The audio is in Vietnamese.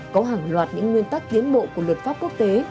có hàng loạt những nguyên tắc tiến bộ của luật pháp quốc tế